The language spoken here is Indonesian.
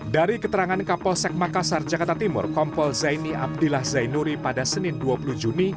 dari keterangan kapolsek makassar jakarta timur kompol zaini abdillah zainuri pada senin dua puluh juni